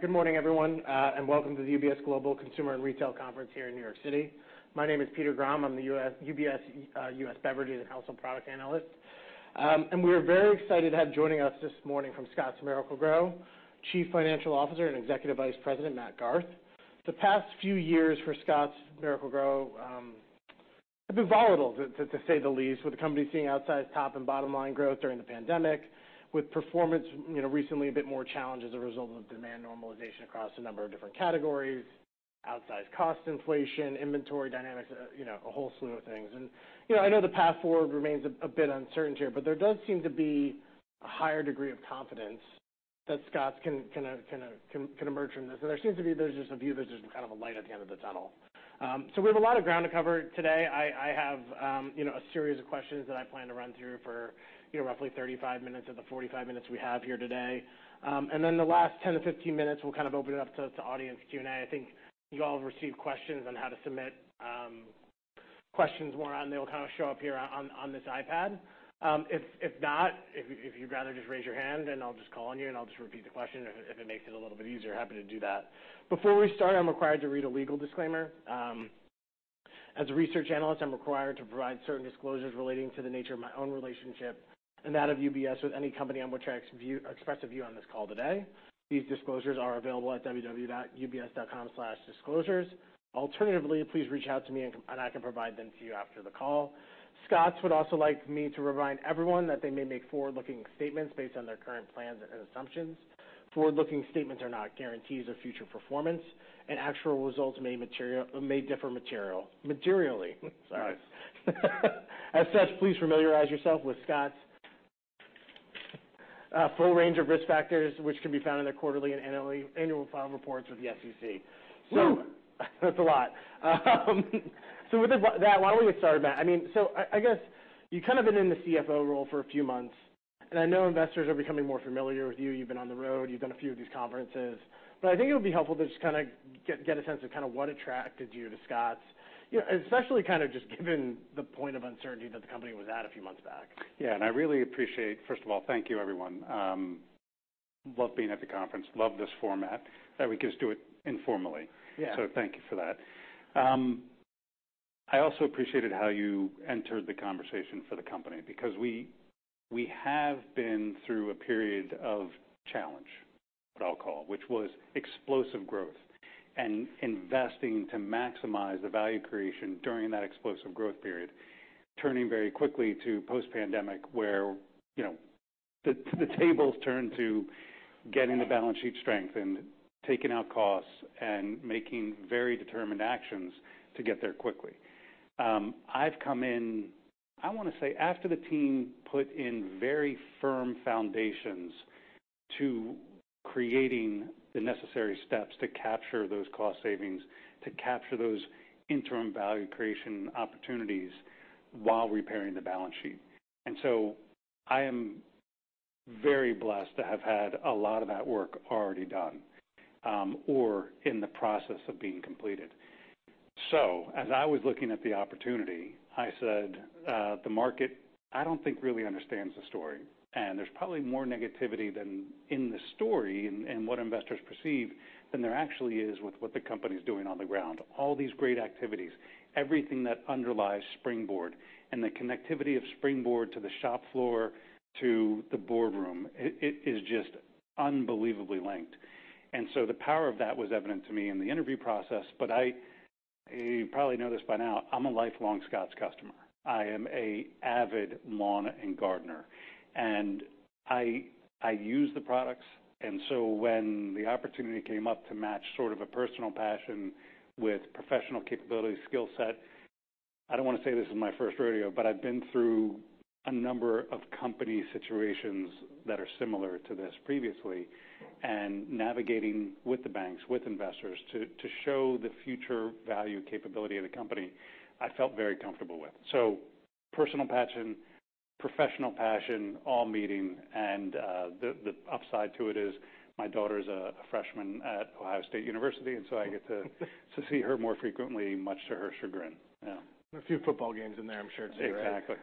Good morning everyone, welcome to the UBS Global Consumer and Retail Conference here in New York City. My name is Peter Grom. I'm the U.S. UBS U.S. Beverages and Household Products Analyst. We are very excited to have joining us this morning from Scotts Miracle-Gro, Chief Financial Officer and Executive Vice President, Matt Garth. The past few years for Scotts Miracle-Gro have been volatile, to say the least, with the company seeing outside top and bottom line growth during the pandemic, with performance, you know, recently a bit more challenged as a result of demand normalization across a number of different categories, outsized cost inflation, inventory dynamics, you know, a whole slew of things. You know, I know the path forward remains a bit uncertain here, but there does seem to be a higher degree of confidence that Scotts can emerge from this. There seems to be, there's just a view kind of a light at the end of the tunnel. We have a lot of ground to cover today. I have, you know, a series of questions that I plan to run through for, you know, roughly 35 minutes of the 45 minutes we have here today. The last 10 to 15 minutes, we'll kind of open it up to audience Q&A. I think you all have received questions on how to submit questions more on, they'll kind of show up here on this iPad. If not, if you'd rather just raise your hand and I'll just call on you, and I'll just repeat the question if it makes it a little bit easier, happy to do that. Before we start, I'm required to read a legal disclaimer. As a research analyst, I'm required to provide certain disclosures relating to the nature of my own relationship and that of UBS with any company on which I express a view on this call today. These disclosures are available at www.ubs.com/disclosures. Alternatively, please reach out to me and I can provide them to you after the call. Scotts would also like me to remind everyone that they may make forward-looking statements based on their current plans and assumptions. Forward-looking statements are not guarantees of future performance. Actual results may differ materially. Sorry. As such, please familiarize yourself with Scotts', full range of risk factors, which can be found in their quarterly and annual file reports with the SEC. Woo! That's a lot. With that, why don't we get started, Matt? I mean, I guess you've kind of been in the CFO role for a few months, and I know investors are becoming more familiar with you. You've been on the road, you've done a few of these conferences. I think it would be helpful to just kinda get a sense of kinda what attracted you to Scotts, you know, especially kind of just given the point of uncertainty that the company was at a few months back. Yeah. I really appreciate. First of all, thank you everyone. Love being at the conference, love this format, that we can just do it informally. Yeah. Thank you for that. I also appreciated how you entered the conversation for the company because we have been through a period of challenge, I'll call, which was explosive growth and investing to maximize the value creation during that explosive growth period, turning very quickly to post-pandemic, where, you know, the tables turn to getting the balance sheet strength and taking out costs and making very determined actions to get there quickly. I've come in, I wanna say, after the team put in very firm foundations to creating the necessary steps to capture those cost savings, to capture those interim value creation opportunities while repairing the balance sheet. I am very blessed to have had a lot of that work already done, or in the process of being completed. As I was looking at the opportunity, I said, the market, I don't think really understands the story, and there's probably more negativity than in the story and what investors perceive than there actually is with what the company's doing on the ground. All these great activities, everything that underlies Springboard and the connectivity of Springboard to the shop floor, to the boardroom, it is just unbelievably linked. The power of that was evident to me in the interview process. You probably know this by now, I'm a lifelong Scotts customer. I am a avid lawn and gardener, and I use the products. When the opportunity came up to match sort of a personal passion with professional capability skill set, I don't wanna say this is my first rodeo, but I've been through a number of company situations that are similar to this previously. Navigating with the banks, with investors to show the future value capability of the company, I felt very comfortable with. Personal passion, professional passion, all meeting. The upside to it is my daughter's a freshman at Ohio State University, and so I get to see her more frequently, much to her chagrin. Yeah. A few football games in there, I'm sure, too, right? Exactly.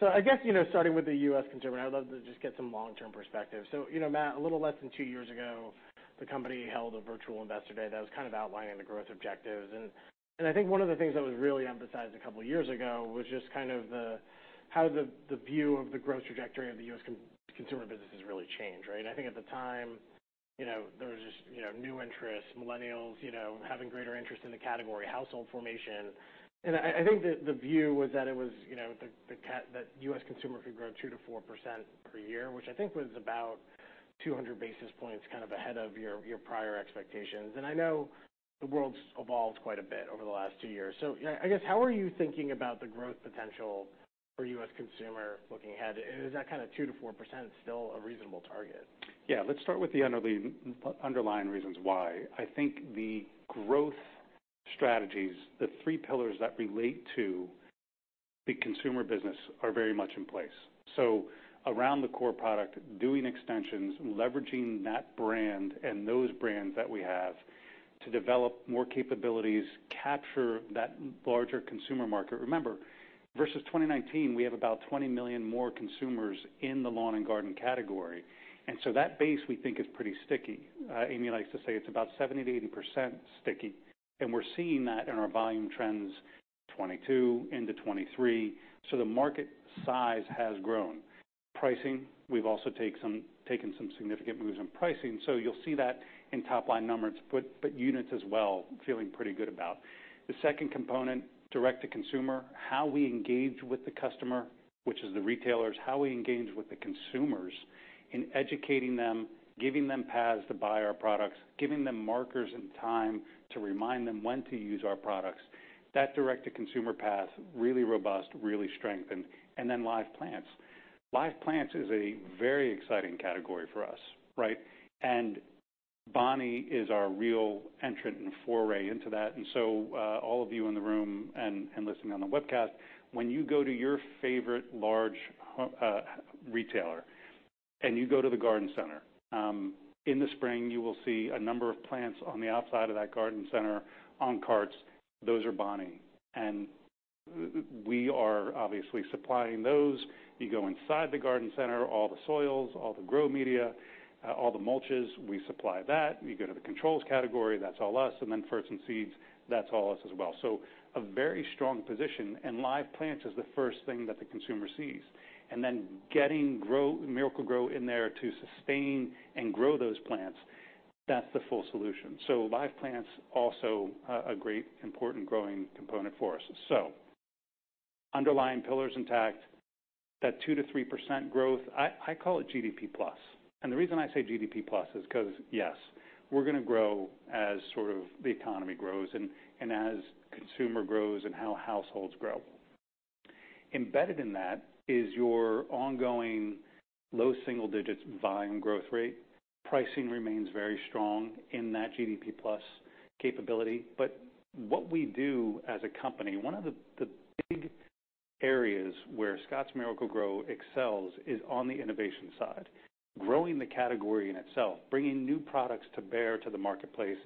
I guess, you know, starting with the U.S. consumer, I'd love to just get some long-term perspective. You know, Matt, a little less than 2 years ago, the company held a virtual investor day that was kind of outlining the growth objectives. I think one of the things that was really emphasized a couple years ago was just kind of the, how the view of the U.S. consumer business has really changed, right? I think at the time, you know, there was just, you know, new interests, millennials, you know, having greater interest in the category, household formation. I think the view was that it was, you know, the U.S. consumer could grow 2%-4% per year, which I think was about 200 basis points, kind of ahead of your prior expectations. I know the world's evolved quite a bit over the last two years. You know, I guess, how are you thinking about the growth potential for U.S. consumer looking ahead? Is that kind of 2%-4% still a reasonable target? Yeah. Let's start with the underlying reasons why. I think the growth strategies, the three pillars that relate to the consumer business are very much in place. Around the core product, doing extensions, leveraging that brand and those brands that we have to develop more capabilities, capture that larger consumer market. Remember, versus 2019, we have about 20 million more consumers in the lawn and garden category. That base, we think, is pretty sticky. Amy likes to say it's about 70%-80% sticky, and we're seeing that in our volume trends 2022 into 2023. The market size has grown. Pricing, we've also taken some significant moves in pricing. You'll see that in top line numbers, but units as well, feeling pretty good about. The second component, direct to consumer, how we engage with the customer, which is the retailers, how we engage with the consumers in educating them, giving them paths to buy our products, giving them markers and time to remind them when to use our products. That direct to consumer path, really robust, really strengthened. Then live plants. Live plants is a very exciting category for us, right? Bonnie is our real entrant and foray into that. So, all of you in the room and listening on the webcast, when you go to your favorite large retailer and you go to the garden center, in the spring, you will see a number of plants on the outside of that garden center on carts. Those are Bonnie. We are obviously supplying those. You go inside the garden center, all the soils, all the grow media, all the mulches, we supply that. You go to the controls category, that's all us. Then fruits and seeds, that's all us as well. A very strong position, and live plants is the first thing that the consumer sees. Then getting Miracle-Gro in there to sustain and grow those plants, that's the full solution. Live plants also a great important growing component for us. Underlying pillars intact, that 2%-3% growth, I call it GDP plus. The reason I say GDP plus is 'cause, yes, we're gonna grow as sort of the economy grows and as consumer grows and how households grow. Embedded in that is your ongoing low single digits volume growth rate. Pricing remains very strong in that GDP plus capability. What we do as a company, one of the big areas where Scotts Miracle-Gro excels is on the innovation side, growing the category in itself, bringing new products to bear to the marketplace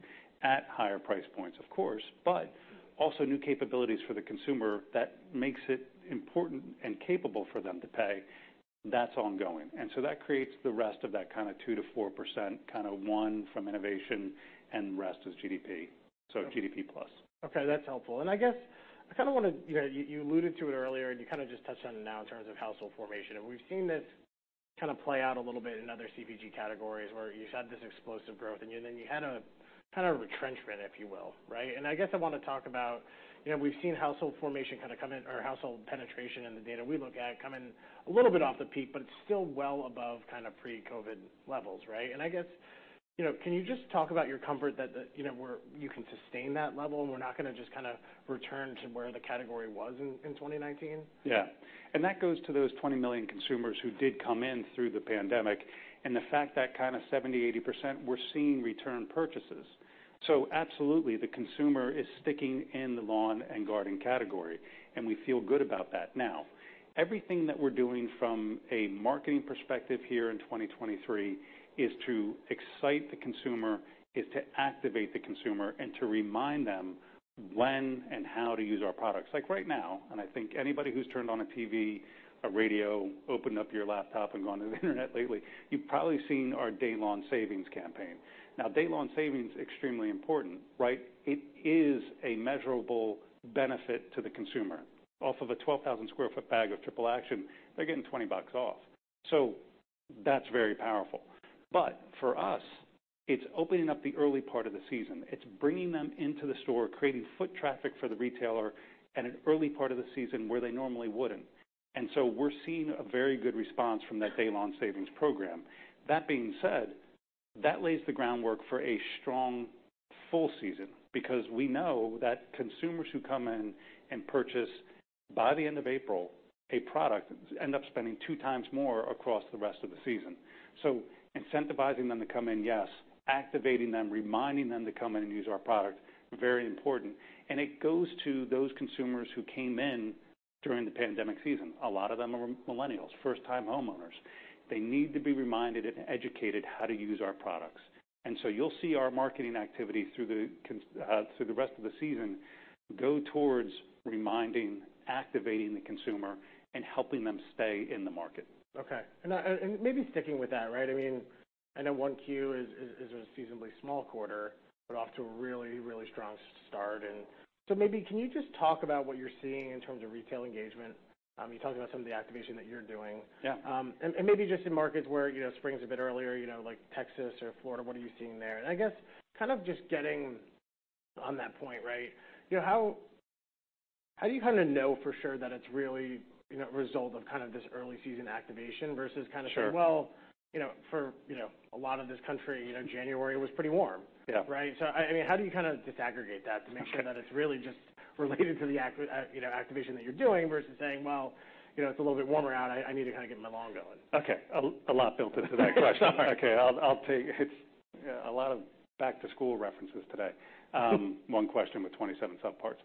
at higher price points, of course, but also new capabilities for the consumer that makes it important and capable for them to pay. That's ongoing. That creates the rest of that kind of 2%-4%, kind of 1% from innovation and the rest is GDP. GDP plus. Okay, that's helpful. I guess I kinda wanna. You know, you alluded to it earlier and you kinda just touched on it now in terms of household formation. We've seen this kind of play out a little bit in other CPG categories where you've had this explosive growth and then you had a, kind of retrenchment, if you will, right? I guess I wanna talk about, you know, we've seen household formation kinda come in or household penetration in the data we look at come in a little bit off the peak, but still well above kind of pre-COVID levels, right? I guess, you know, can you just talk about your comfort that you can sustain that level, and we're not gonna just kinda return to where the category was in 2019? Yeah. That goes to those 20 million consumers who did come in through the pandemic, and the fact that kind of 70%, 80%, we're seeing return purchases. Absolutely, the consumer is sticking in the lawn and garden category, and we feel good about that. Now, everything that we're doing from a marketing perspective here in 2023 is to excite the consumer, is to activate the consumer, and to remind them when and how to use our products. Like right now, I think anybody who's turned on a TV, a radio, opened up your laptop and gone to the internet lately, you've probably seen our DayLawn Savings campaign. Now, DayLawn Savings, extremely important, right? It is a measurable benefit to the consumer. Off of a 12,000 sq ft bag of Triple Action, they're getting $20 off. That's very powerful. For us, it's opening up the early part of the season. It's bringing them into the store, creating foot traffic for the retailer at an early part of the season where they normally wouldn't. We're seeing a very good response from that DayLawn Savings program. That being said, that lays the groundwork for a strong full season because we know that consumers who come in and purchase by the end of April a product end up spending 2x more across the rest of the season. Incentivizing them to come in, yes, activating them, reminding them to come in and use our product, very important. It goes to those consumers who came in during the pandemic season. A lot of them are millennials, first time homeowners. They need to be reminded and educated how to use our products. You'll see our marketing activity through the rest of the season go towards reminding, activating the consumer and helping them stay in the market. Okay. maybe sticking with that, right? I mean, I know 1Q is a seasonably small quarter, but off to a really strong start. maybe can you just talk about what you're seeing in terms of retail engagement? you talked about some of the activation that you're doing. Yeah. Maybe just in markets where, you know, spring's a bit earlier, you know, like Texas or Florida, what are you seeing there? I guess kind of just getting on that point, right? You know, how do you kinda know for sure that it's really, you know, a result of kind of this early season activation versus? Sure. saying, well, you know, for, you know, a lot of this country, you know, January was pretty warm. Yeah. Right? I mean, how do you kinda disaggregate that to make sure that it's really just related to the you know, activation that you're doing versus saying, "Well, you know, it's a little bit warmer out, I need to kinda get my lawn going. Okay. A lot built into that question. Okay. I'll take. It's, yeah, a lot of back to school references today. One question with 27 sub parts.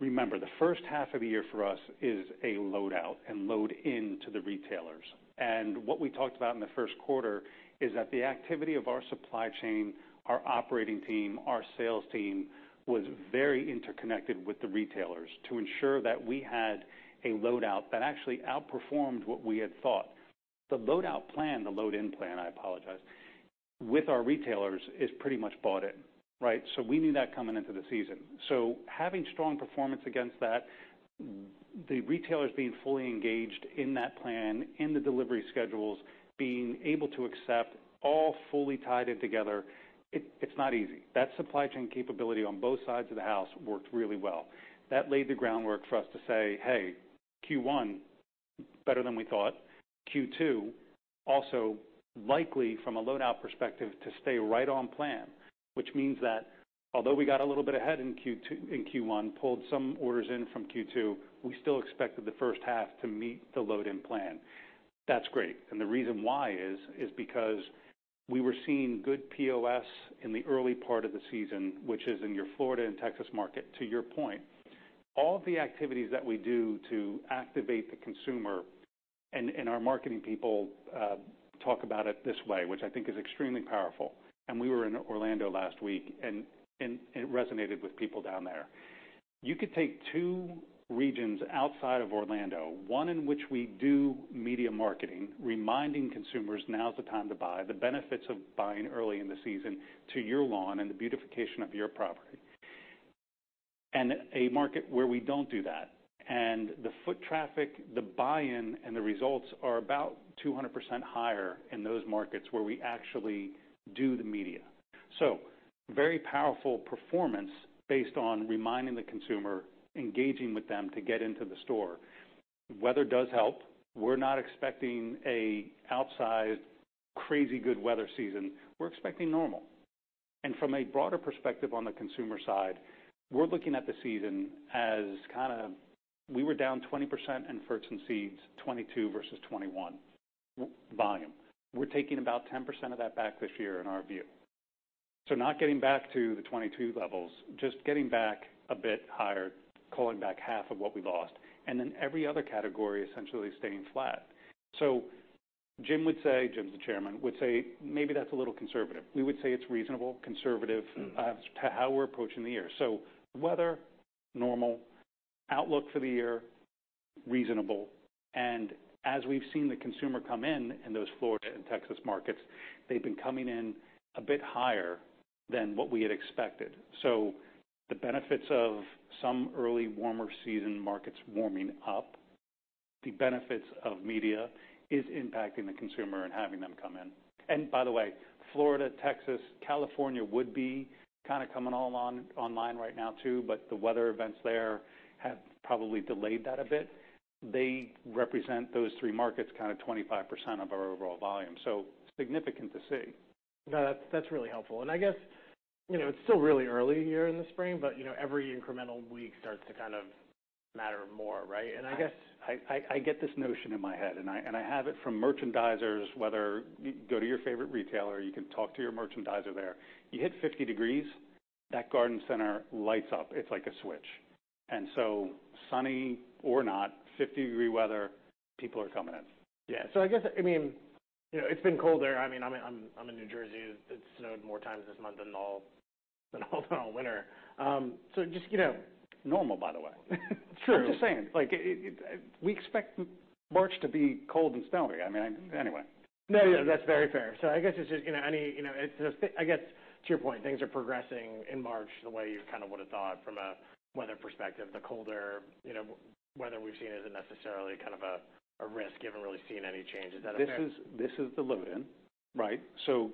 Remember, the first half of the year for us is a load out and load in to the retailers. What we talked about in the first quarter is that the activity of our supply chain, our operating team, our sales team, was very interconnected with the retailers to ensure that we had a load out that actually outperformed what we had thought. The load in plan, I apologize, with our retailers is pretty much bought in, right? We knew that coming into the season. Having strong performance against that, the retailers being fully engaged in that plan, in the delivery schedules, being able to accept all fully tied in together, it's not easy. That supply chain capability on both sides of the house worked really well. That laid the groundwork for us to say, "Hey, Q1, better than we thought. Q2, also likely from a load out perspective to stay right on plan," which means that although we got a little bit ahead in Q1, pulled some orders in from Q2, we still expected the first half to meet the load in plan. That's great. The reason why is because we were seeing good POS in the early part of the season, which is in your Florida and Texas market. To your point, all the activities that we do to activate the consumer, and our marketing people talk about it this way, which I think is extremely powerful. We were in Orlando last week, and it resonated with people down there. You could take two regions outside of Orlando, one in which we do media marketing, reminding consumers now's the time to buy, the benefits of buying early in the season to your lawn and the beautification of your property. A market where we don't do that. The foot traffic, the buy-in, and the results are about 200% higher in those markets where we actually do the media. Very powerful performance based on reminding the consumer, engaging with them to get into the store. Weather does help. We're not expecting a outsized, crazy good weather season. We're expecting normal. From a broader perspective on the consumer side, we're looking at the season as kinda we were down 20% in fruits and seeds, 22 versus 21 volume. We're taking about 10% of that back this year in our view. Not getting back to the 22 levels, just getting back a bit higher, calling back half of what we lost, then every other category essentially staying flat. Jim would say, Jim's the chairman, would say, "Maybe that's a little conservative." We would say it's reasonable, conservative, to how we're approaching the year. Weather, normal. Outlook for the year, reasonable. As we've seen the consumer come in in those Florida and Texas markets, they've been coming in a bit higher than what we had expected. The benefits of some early warmer season markets warming up, the benefits of media is impacting the consumer and having them come in. By the way, Florida, Texas, California would be kinda coming all on-online right now too, but the weather events there have probably delayed that a bit. They represent those three markets, kind of 25% of our overall volume, significant to see. No, that's really helpful. I guess, you know, it's still really early here in the spring, but, you know, every incremental week starts to kind of matter more, right? Yes. I guess I get this notion in my head, and I have it from merchandisers, whether you go to your favorite retailer, you can talk to your merchandiser there. You hit 50 degrees, that garden center lights up. It's like a switch. Sunny or not, 50-degree weather, people are coming in. Yeah. I guess, I mean, you know, it's been cold there. I mean, I'm in New Jersey. It's snowed more times this month than all winter. Just, you know. Normal, by the way. True. I'm just saying, like, we expect March to be cold and snowy. I mean, anyway. No, no, that's very fair. I guess it's just, you know, it's just, I guess, to your point, things are progressing in March the way you kind of would've thought from a weather perspective. The colder, you know, weather we've seen isn't necessarily kind of a risk. You haven't really seen any changes. That's fair. This is the load in, right?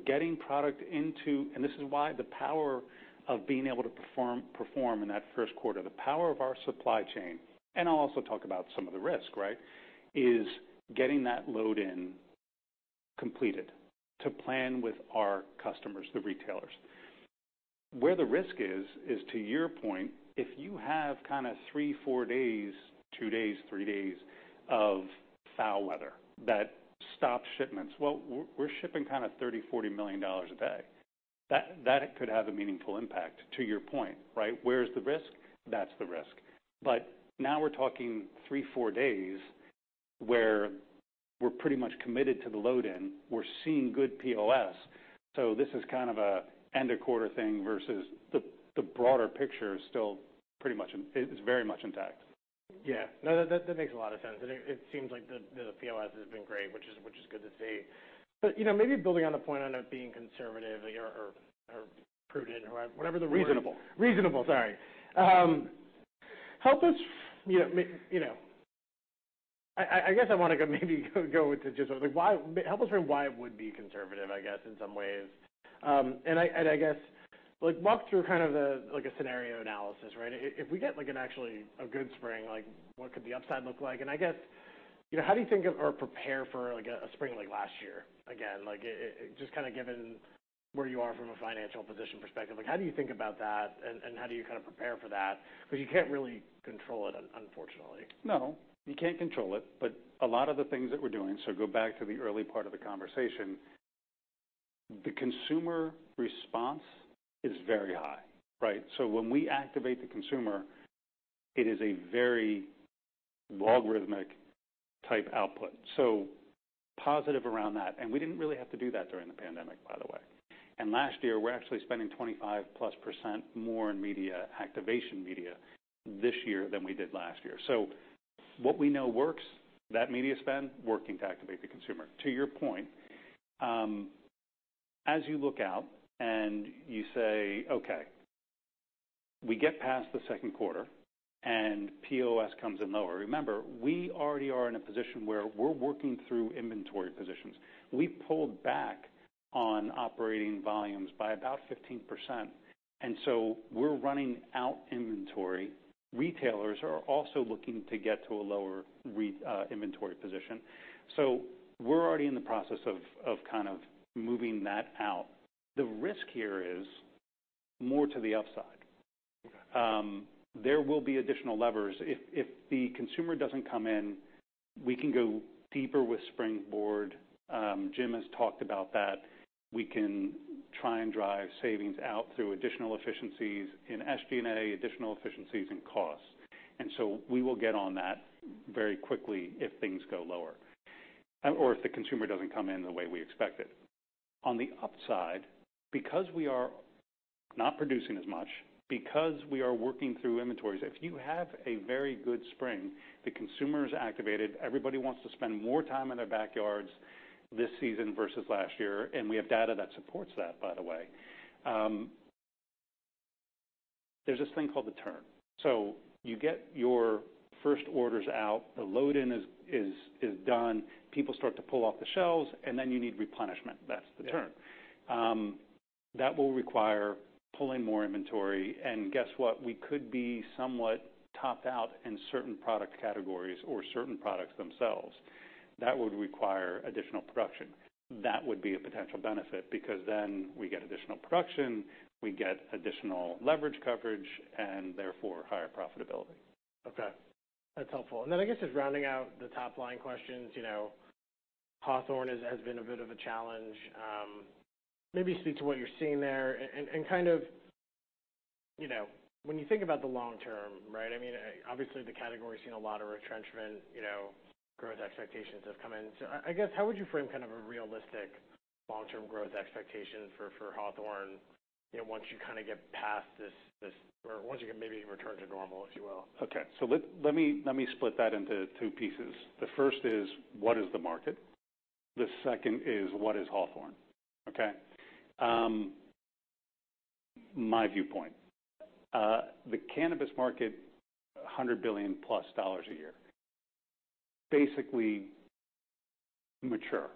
Getting product into. This is why the power of being able to perform in that first quarter, the power of our supply chain, and I'll also talk about some of the risk, right, is getting that load in completed to plan with our customers, the retailers. Where the risk is to your point, if you have kinda three, four days, two days, three days of foul weather that stops shipments, well, we're shipping kind of $30 million-$40 million a day. That could have a meaningful impact, to your point, right? Where's the risk? That's the risk. Now we're talking three, four days where we're pretty much committed to the load in. We're seeing good POS, this is kind of a end of quarter thing versus the broader picture is still pretty much is very much intact. Yeah. No, that makes a lot of sense. It, it seems like the POS has been great, which is, which is good to see. You know, maybe building on the point on it being conservative or, or prudent or what, whatever the word- Reasonable. Reasonable, sorry. Help us, you know, you know. I guess I wanna go, maybe go into just like, help us understand why it would be conservative, I guess, in some ways. I guess, like, walk through kind of the, like a scenario analysis, right? If we get like an actually a good spring, like what could the upside look like? I guess, you know, how do you think of or prepare for like a spring like last year again? Like, just kinda given where you are from a financial position perspective, like how do you think about that and how do you kinda prepare for that? Because you can't really control it, unfortunately. No, you can't control it, a lot of the things that we're doing, go back to the early part of the conversation. The consumer response is very high, right? When we activate the consumer, it is a very logarithmic type output. Positive around that. We didn't really have to do that during the pandemic, by the way. Last year, we're actually spending 25%+ more in media, activation media this year than we did last year. What we know works, that media spend working to activate the consumer. To your point, as you look out and you say, "Okay, we get past the second quarter and POS comes in lower." Remember, we already are in a position where we're working through inventory positions. We pulled back on operating volumes by about 15%, we're running out inventory. Retailers are also looking to get to a lower inventory position. We're already in the process of kind of moving that out. The risk here is more to the upside. There will be additional levers. If the consumer doesn't come in, we can go deeper with Springboard. Jim has talked about that. We can try and drive savings out through additional efficiencies in SG&A, additional efficiencies in costs. We will get on that very quickly if things go lower or if the consumer doesn't come in the way we expected. On the upside, because we are not producing as much, because we are working through inventories, if you have a very good spring, the consumer is activated, everybody wants to spend more time in their backyards this season versus last year, and we have data that supports that, by the way, there's this thing called the turn. You get your first orders out, the load in is done, people start to pull off the shelves, and then you need replenishment. That's the turn. That will require pulling more inventory. Guess what? We could be somewhat topped out in certain product categories or certain products themselves. That would require additional production. That would be a potential benefit because then we get additional production, we get additional leverage coverage, and therefore higher profitability. Okay. That's helpful. Then I guess just rounding out the top line questions, you know, Hawthorne has been a bit of a challenge. maybe speak to what you're seeing there and kind of, you know, when you think about the long term, right? I mean, obviously the category's seen a lot of retrenchment, you know, growth expectations have come in. I guess how would you frame kind of a realistic long-term growth expectation for Hawthorne, you know, once you kind of get past this, or once you can maybe return to normal, if you will? Okay. Let me split that into two pieces. The first is what is the market? The second is what is Hawthorne? Okay? My viewpoint, the cannabis market, $100 billion+ a year, basically mature.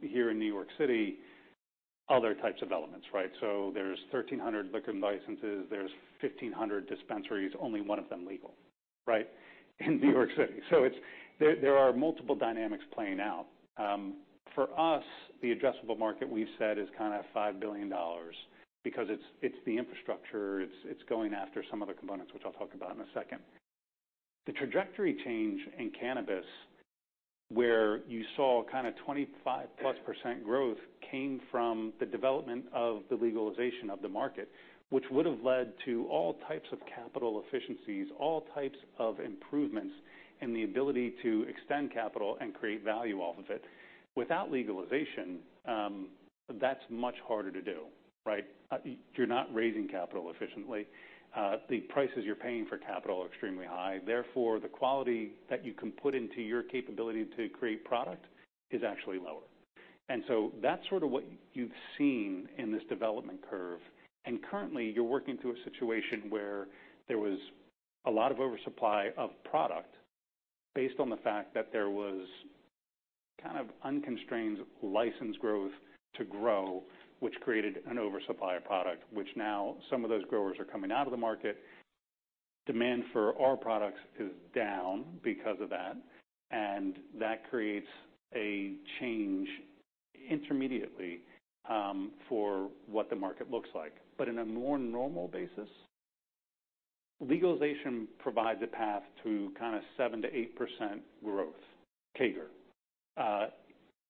Here in New York City, other types of elements, right? There's 1,300 liquor licenses, there's 1,500 dispensaries, only one of them legal, right, in New York City. There are multiple dynamics playing out. For us, the addressable market we've said is kind of $5 billion because it's the infrastructure. It's going after some of the components, which I'll talk about in a second. The trajectory change in cannabis, where you saw kind of 25+% growth came from the development of the legalization of the market, which would've led to all types of capital efficiencies, all types of improvements in the ability to extend capital and create value off of it. Without legalization, that's much harder to do, right? You're not raising capital efficiently. The prices you're paying for capital are extremely high. Therefore, the quality that you can put into your capability to create product is actually lower. That's sort of what you've seen in this development curve. Currently, you're working through a situation where there was a lot of oversupply of product based on the fact that there was kind of unconstrained license growth to grow, which created an oversupply of product, which now some of those growers are coming out of the market. Demand for our products is down because of that creates a change intermediately for what the market looks like. In a more normal basis, legalization provides a path to kind of 7%-8% growth, CAGR.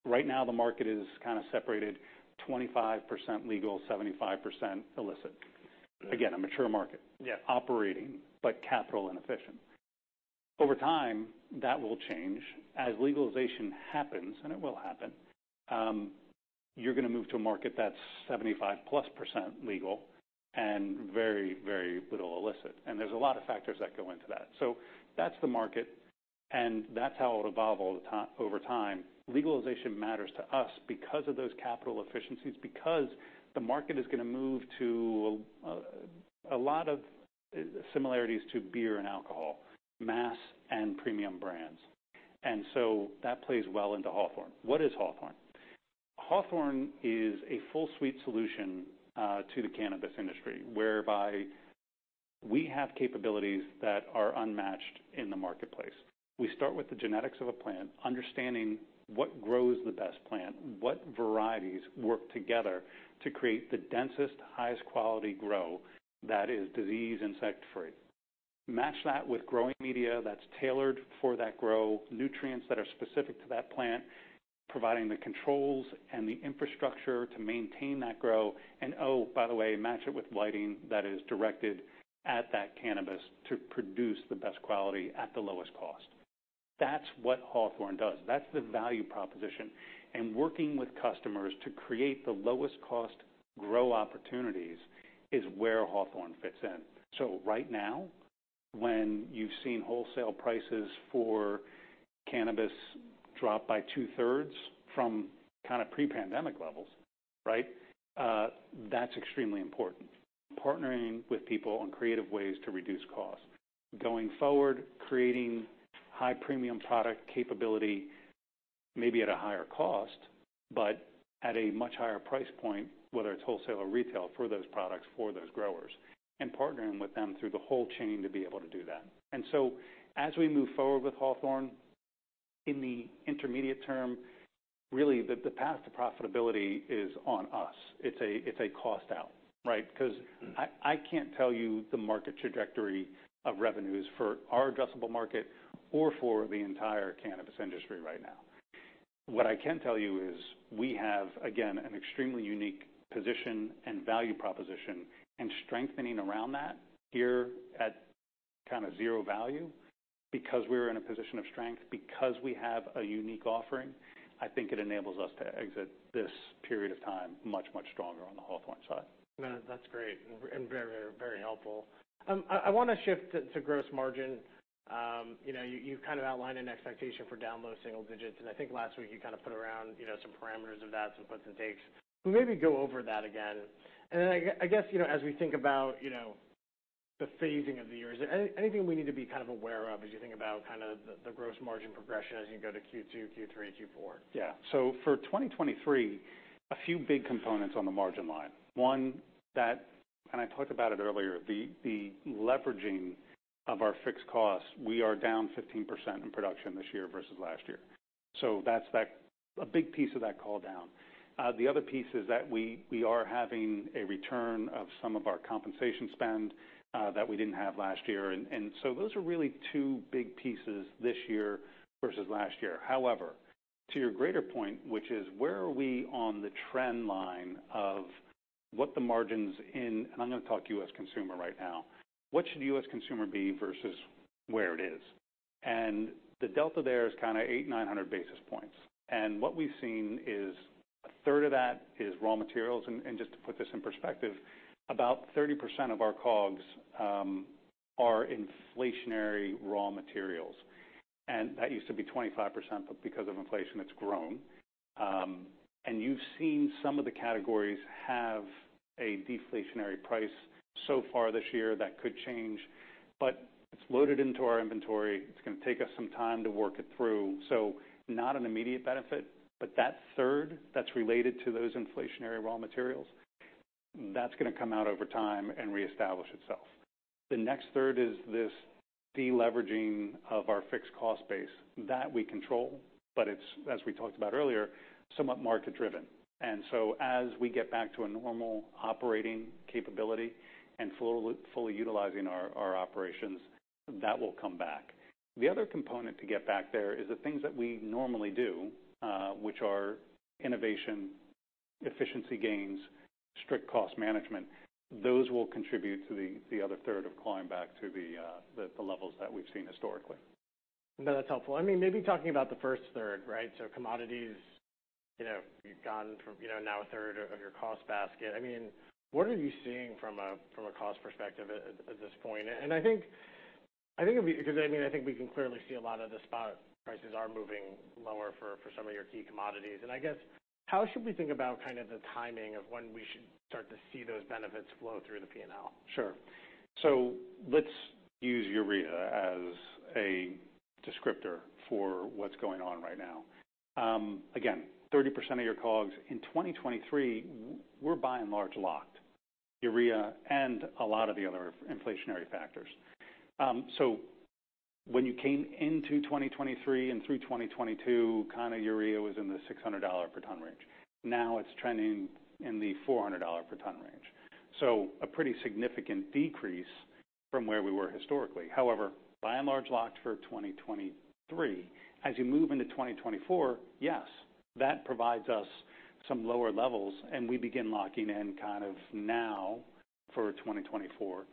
Right now the market is kind of separated 25% legal, 75% illicit. Again, a mature market. Yeah. Operating, capital inefficient. Over time, that will change. As legalization happens, and it will happen, you're gonna move to a market that's 75%+ legal and very, very little illicit. There's a lot of factors that go into that. That's the market, and that's how it'll evolve over time. Legalization matters to us because of those capital efficiencies, because the market is gonna move to a lot of similarities to beer and alcohol, mass and premium brands. That plays well into Hawthorne. What is Hawthorne? Hawthorne is a full suite solution to the cannabis industry, whereby we have capabilities that are unmatched in the marketplace. We start with the genetics of a plant, understanding what grows the best plant, what varieties work together to create the densest, highest quality grow that is disease, insect free. Match that with growing media that's tailored for that grow, nutrients that are specific to that plant, providing the controls and the infrastructure to maintain that grow. Oh, by the way, match it with lighting that is directed at that cannabis to produce the best quality at the lowest cost. That's what Hawthorne does. That's the value proposition. Working with customers to create the lowest cost grow opportunities is where Hawthorne fits in. Right now, when you've seen wholesale prices for cannabis drop by two-thirds from kind of pre-pandemic levels, right, that's extremely important. Partnering with people on creative ways to reduce cost. Going forward, creating high premium product capability, maybe at a higher cost, but at a much higher price point, whether it's wholesale or retail, for those products, for those growers, and partnering with them through the whole chain to be able to do that. As we move forward with Hawthorne in the intermediate term, really the path to profitability is on us. It's a cost out, right? Because I can't tell you the market trajectory of revenues for our addressable market or for the entire cannabis industry right now. What I can tell you is we have, again, an extremely unique position and value proposition and strengthening around that here at kind of zero value because we're in a position of strength. We have a unique offering, I think it enables us to exit this period of time much, much stronger on the Hawthorne side. No, that's great and very, very helpful. I wanna shift to gross margin. You know, you've kind of outlined an expectation for down low single digits, and I think last week you kind of put around, you know, some parameters of that, some puts and takes. Maybe go over that again. I guess, you know, as we think about, you know, the phasing of the years, anything we need to be kind of aware of as you think about kind of the gross margin progression as you go to Q2, Q3, Q4? Yeah. For 2023, a few big components on the margin line. One, and I talked about it earlier, the leveraging of our fixed costs. We are down 15% in production this year versus last year. That's a big piece of that call down. The other piece is that we are having a return of some of our compensation spend that we didn't have last year. Those are really two big pieces this year versus last year. However, to your greater point, which is where are we on the trend line of what the margins in. I'm gonna talk U.S. consumer right now. What should U.S. consumer be versus where it is? The delta there is kinda 800 basis points-900 basis points. What we've seen is 1/3 of that is raw materials. Just to put this in perspective, about 30% of our COGS are inflationary raw materials. That used to be 25%, but because of inflation, it's grown. You've seen some of the categories have a deflationary price so far this year. That could change, but it's loaded into our inventory. It's gonna take us some time to work it through. Not an immediate benefit, but that third that's related to those inflationary raw materials, that's gonna come out over time and reestablish itself. The next third is this deleveraging of our fixed cost base. That we control, but it's, as we talked about earlier, somewhat market-driven. As we get back to a normal operating capability and fully utilizing our operations, that will come back. The other component to get back there is the things that we normally do, which are innovation, efficiency gains, strict cost management. Those will contribute to the other third of climbing back to the levels that we've seen historically. No, that's helpful. I mean, maybe talking about the first third, right? Commodities, you know, you've gone from, you know, now 1/3 of your cost basket. I mean, what are you seeing from a cost perspective at this point? I think, it'd be 'cause I mean, I think we can clearly see a lot of the spot prices are moving lower for some of your key commodities. I guess, how should we think about kind of the timing of when we should start to see those benefits flow through the P&L? Sure. Let's use urea as a descriptor for what's going on right now. Again, 30% of your COGS in 2023 were by and large locked, urea and a lot of the other inflationary factors. When you came into 2023 and through 2022, kinda urea was in the $600 per ton range. Now it's trending in the $400 per ton range. A pretty significant decrease from where we were historically. However, by and large locked for 2023. As you move into 2024, yes, that provides us some lower levels, and we begin locking in kind of now for 2024.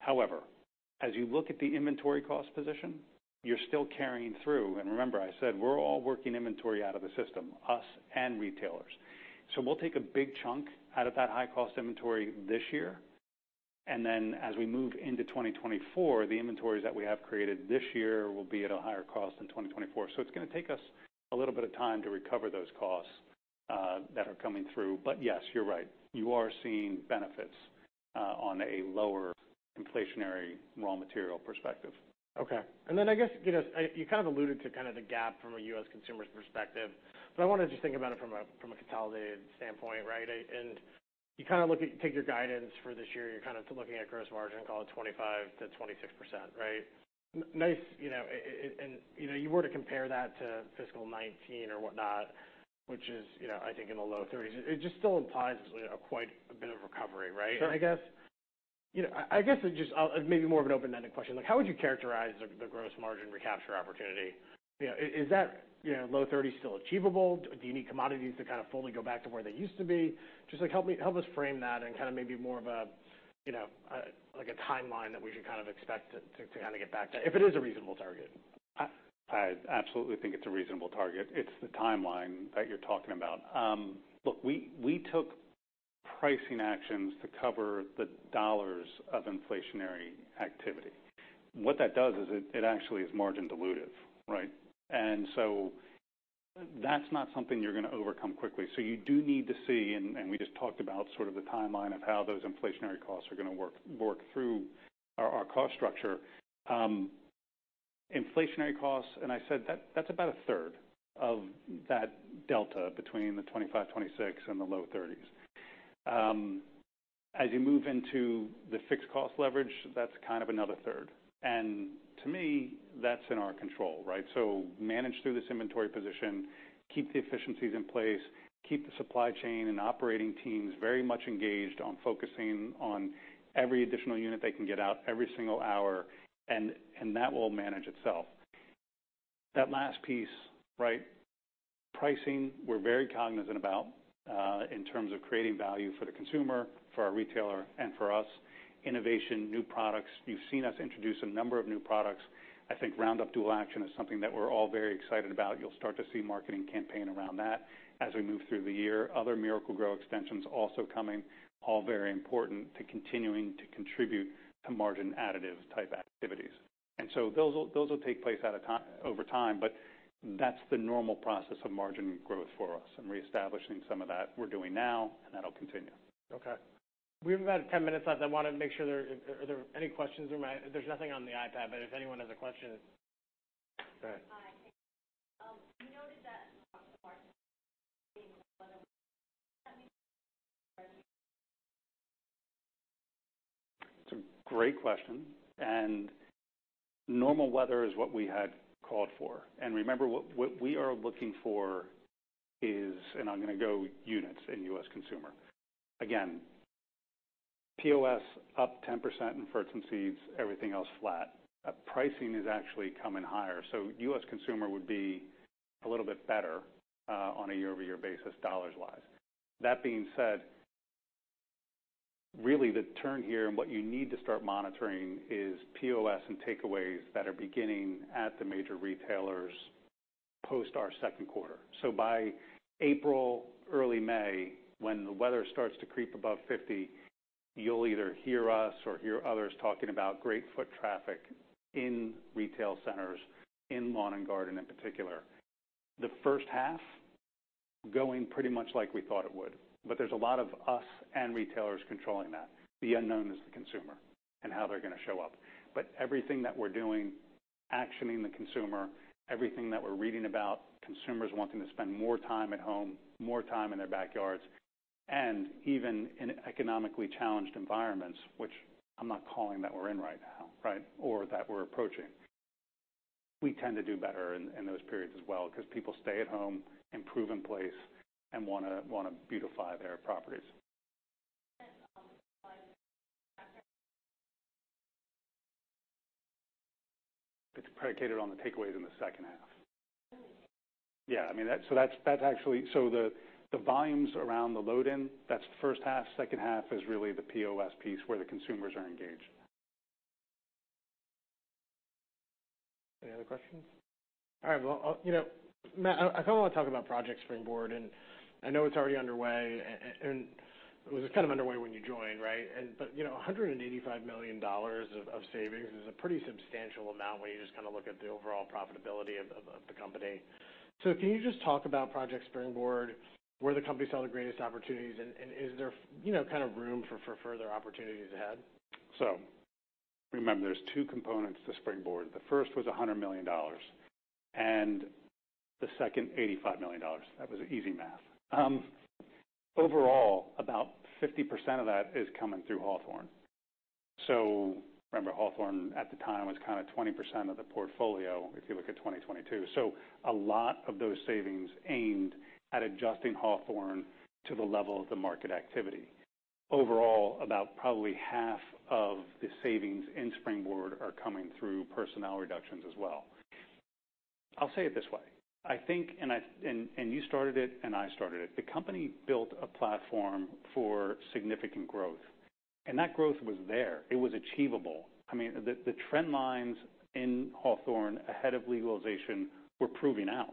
However, as you look at the inventory cost position, you're still carrying through. Remember I said we're all working inventory out of the system, us and retailers. We'll take a big chunk out of that high-cost inventory this year, and then as we move into 2024, the inventories that we have created this year will be at a higher cost in 2024. It's gonna take us a little bit of time to recover those costs that are coming through. Yes, you're right. You are seeing benefits on a lower inflationary raw material perspective. Okay. I guess, you know, you kind of alluded to kind of the gap from a U.S. consumer's perspective, but I wanna just think about it from a, from a consolidated standpoint, right? You kind of take your guidance for this year, you're kind of looking at gross margin, call it 25%-26%, right? Nice, you know, and, you know, you were to compare that to fiscal 2019 or whatnot, which is, you know, I think in the low 30s%, it just still implies, you know, quite a bit of recovery, right? Sure. You know, I guess just maybe more of an open-ended question. Like, how would you characterize the gross margin recapture opportunity? You know, is that, you know, low 30s% still achievable? Do you need commodities to kind of fully go back to where they used to be? Just like help us frame that and kind of maybe more of a, you know, like a timeline that we should kind of expect it to get back to, if it is a reasonable target. I absolutely think it's a reasonable target. It's the timeline that you're talking about. Look, we took pricing actions to cover the dollars of inflationary activity. What that does is it actually is margin dilutive, right? That's not something you're gonna overcome quickly. You do need to see, and we just talked about sort of the timeline of how those inflationary costs are gonna work through our cost structure. Inflationary costs, and I said that that's about 1/3 of that delta between the 25%, 26% and the low 30s%. As you move into the fixed cost leverage, that's kind of another third. To me, that's in our control, right? Manage through this inventory position, keep the efficiencies in place, keep the supply chain and operating teams very much engaged on focusing on every additional unit they can get out every single hour, and that will manage itself. That last piece, right. Pricing, we're very cognizant about, in terms of creating value for the consumer, for our retailer and for us. Innovation, new products. You've seen us introduce a number of new products. I think Roundup Dual Action is something that we're all very excited about. You'll start to see marketing campaign around that as we move through the year. Other Miracle-Gro extensions also coming, all very important to continuing to contribute to margin additive type activities. Those will take place over time, but that's the normal process of margin growth for us and reestablishing some of that we're doing now, and that'll continue. Okay. We have about 10 minutes left. I wanna make sure there. Are there any questions? There's nothing on the iPad, but if anyone has a question. Go ahead. Hi. you noted that. It's a great question. Normal weather is what we had called for. Remember, what we are looking for is, and I'm gonna go units in U.S. consumer. Again, POS up 10% in fruits and seeds, everything else flat. Pricing is actually coming higher. U.S. consumer would be a little bit better on a year-over-year basis, dollars-wise. That being said, really the turn here and what you need to start monitoring is POS and takeaways that are beginning at the major retailers post our second quarter. By April, early May, when the weather starts to creep above 50, you'll either hear us or hear others talking about great foot traffic in retail centers, in lawn and garden in particular. The first half, going pretty much like we thought it would, but there's a lot of us and retailers controlling that. The unknown is the consumer and how they're gonna show up. Everything that we're doing, actioning the consumer, everything that we're reading about consumers wanting to spend more time at home, more time in their backyards, and even in economically challenged environments, which I'm not calling that we're in right now, right? That we're approaching. We tend to do better in those periods as well because people stay at home, improve in place and wanna beautify their properties. It's predicated on the takeaways in the second half. I mean, that's actually. The volumes around the load in, that's the first half. Second half is really the POS piece where the consumers are engaged. Any other questions? All right. Well, I, you know, Matt, I kinda wanna talk about Project Springboard, and I know it's already underway and it was kind of underway when you joined, right? But, you know, $185 million of savings is a pretty substantial amount when you just kinda look at the overall profitability of the company. Can you just talk about Project Springboard, where the company saw the greatest opportunities and is there, you know, kind of room for further opportunities ahead? Remember there's two components to Springboard. The first was $100 million and the second $85 million. That was easy math. Overall, about 50% of that is coming through Hawthorne. Remember, Hawthorne at the time was kinda 20% of the portfolio if you look at 2022. A lot of those savings aimed at adjusting Hawthorne to the level of the market activity. Overall, about probably half of the savings in Springboard are coming through personnel reductions as well. I'll say it this way: I think, and you started it, and I started it. The company built a platform for significant growth, and that growth was there. It was achievable. I mean, the trend lines in Hawthorne ahead of legalization were proving out.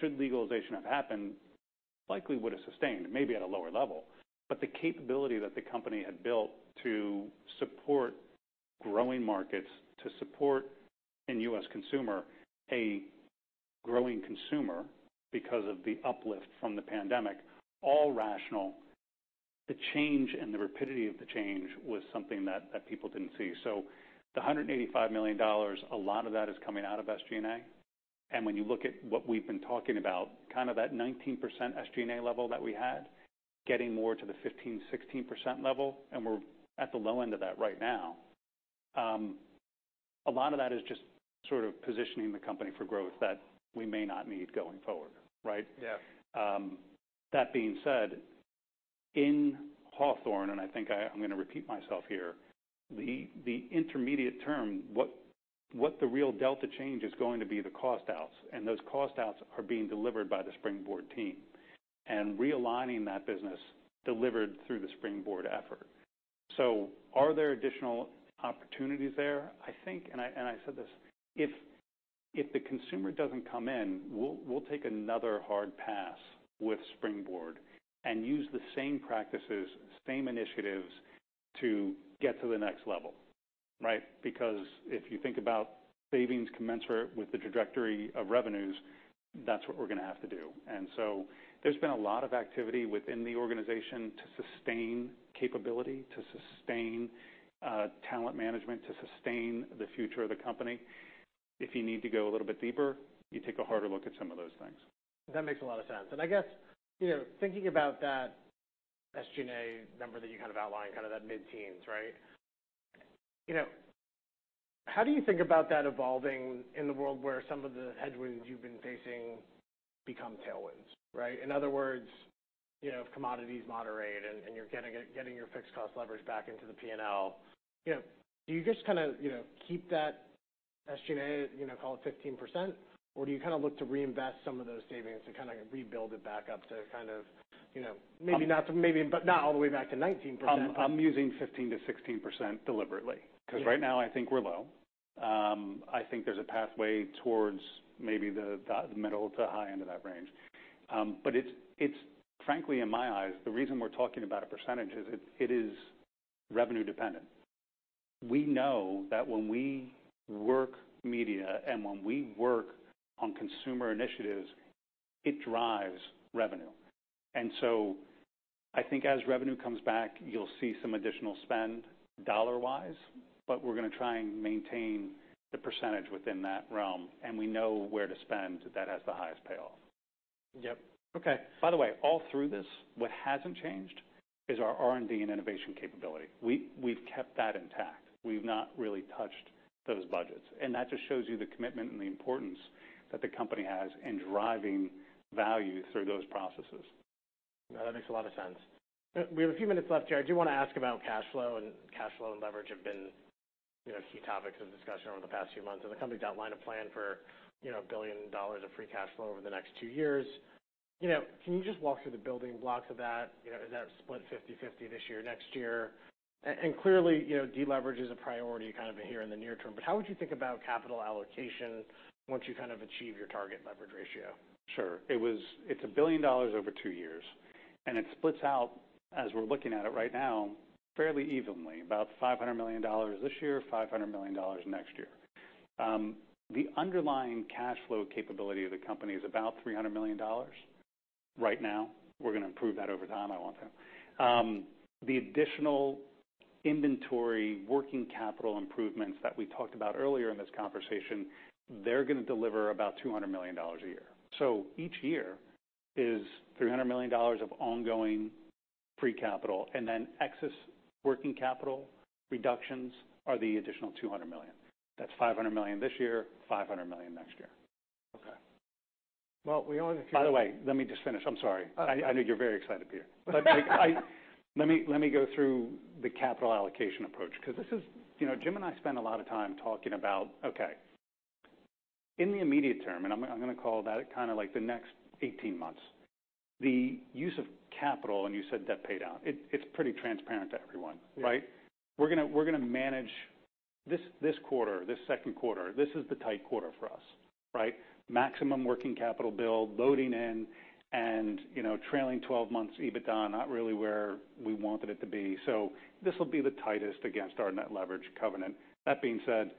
Should legalization have happened, likely would have sustained, maybe at a lower level. The capability that the company had built to support growing markets, to support in U.S. consumer, a growing consumer because of the uplift from the pandemic, all rational. The change and the rapidity of the change was something that people didn't see. The $185 million, a lot of that is coming out of SG&A. When you look at what we've been talking about, kind of that 19% SG&A level that we had, getting more to the 15%-16% level, and we're at the low end of that right now. A lot of that is just sort of positioning the company for growth that we may not need going forward, right? Yeah. That being said, in Hawthorne, and I think I'm gonna repeat myself here, the intermediate term, what the real delta change is going to be the cost outs, and those cost outs are being delivered by the Springboard team. Realigning that business delivered through the Springboard effort. Are there additional opportunities there? I think, and I said this, if the consumer doesn't come in, we'll take another hard pass with Springboard and use the same practices, same initiatives to get to the next level, right? If you think about savings commensurate with the trajectory of revenues, that's what we're gonna have to do. There's been a lot of activity within the organization to sustain capability, to sustain talent management, to sustain the future of the company. If you need to go a little bit deeper, you take a harder look at some of those things. I guess, you know, thinking about that SG&A number that you kind of outlined, kind of that mid-teens, right? You know, how do you think about that evolving in the world where some of the headwinds you've been facing become tailwinds, right? In other words, you know, if commodities moderate and you're getting your fixed cost leverage back into the P&L, you know, do you just kinda, you know, keep that SG&A, you know, call it 15%? Or do you kinda look to reinvest some of those savings to kinda rebuild it back up to kind of, you know, maybe not to, maybe, but not all the way back to 19%? I'm using 15%-16% deliberately. Yeah. 'Cause right now I think we're low. I think there's a pathway towards maybe the middle to high end of that range. But it's frankly, in my eyes, the reason we're talking about a percentage it is revenue dependent. We know that when we work media and when we work on consumer initiatives, it drives revenue. I think as revenue comes back, you'll see some additional spend dollar-wise, but we're gonna try and maintain the percentage within that realm, and we know where to spend that has the highest payoff. Yep. Okay. By the way, all through this, what hasn't changed is our R&D and innovation capability. We've kept that intact. We've not really touched those budgets. That just shows you the commitment and the importance that the company has in driving value through those processes. No, that makes a lot of sense. We have a few minutes left here. I do wanna ask about cash flow and leverage have been, you know, key topics of discussion over the past few months. The company's outlined a plan for, you know, $1 billion of free cash flow over the next two years. You know, can you just walk through the building blocks of that? You know, is that split 50/50 this year, next year? Clearly, you know, deleverage is a priority kind of here in the near term. How would you think about capital allocation once you kind of achieve your target leverage ratio? Sure. It's $1 billion over two years. It splits out, as we're looking at it right now, fairly evenly, about $500 million this year, $500 million next year. The underlying cash flow capability of the company is about $300 million right now. We're gonna improve that over time, I want to. The additional inventory working capital improvements that we talked about earlier in this conversation, they're gonna deliver about $200 million a year. Each year is $300 million of ongoing free capital, and then excess working capital reductions are the additional $200 million. That's $500 million this year, $500 million next year. Okay. Well, we only have a few-. Let me just finish. I'm sorry. I know you're very excited, Peter. Let me go through the capital allocation approach because You know, Jim and I spend a lot of time talking about, okay, in the immediate term, and I'm gonna call that at kinda like the next 18 months, the use of capital, and you said debt pay down, it's pretty transparent to everyone. Yeah. Right? We're gonna manage this quarter, this second quarter, this is the tight quarter for us, right? Maximum working capital build, loading in, and, you know, trailing 12 months EBITDA, not really where we wanted it to be. This will be the tightest against our net leverage covenant. That being said,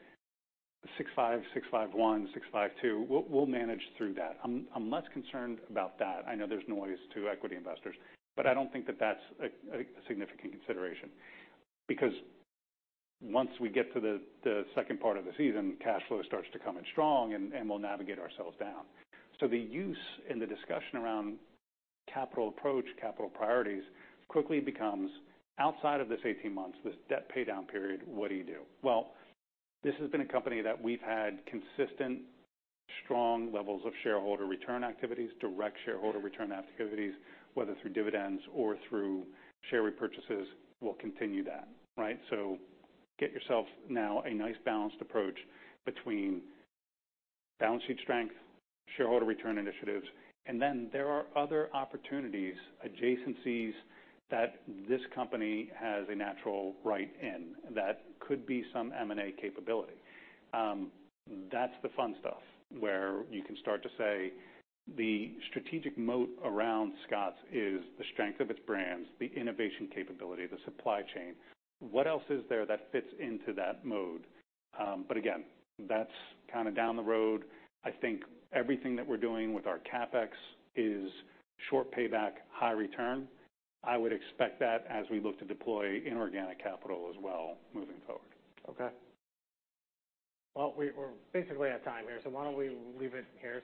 6.5, 6.51, 6.52, we'll manage through that. I'm less concerned about that. I know there's noise to equity investors, but I don't think that that's a significant consideration. Because once we get to the second part of the season, cash flow starts to come in strong and we'll navigate ourselves down. The use in the discussion around capital approach, capital priorities, quickly becomes outside of this 18 months, this debt pay down period, what do you do? This has been a company that we've had consistent strong levels of shareholder return activities, direct shareholder return activities, whether through dividends or through share repurchases. We'll continue that, right? Get yourself now a nice balanced approach between balance sheet strength, shareholder return initiatives, and then there are other opportunities, adjacencies that this company has a natural right in that could be some M&A capability. That's the fun stuff, where you can start to say the strategic moat around Scotts is the strength of its brands, the innovation capability, the supply chain. What else is there that fits into that mode? Again, that's kinda down the road. I think everything that we're doing with our CapEx is short payback, high return. I would expect that as we look to deploy inorganic capital as well moving forward. Well, we're basically at time here, why don't we leave it here.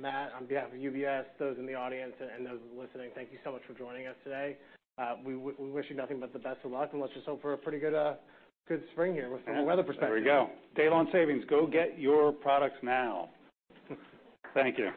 Matt, on behalf of UBS, those in the audience and those listening, thank you so much for joining us today. We wish you nothing but the best of luck, and let's just hope for a pretty good spring here from a weather perspective. There we DayLawn Savings. go get your products now. Thank you.